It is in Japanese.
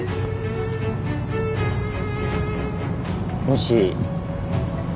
もし。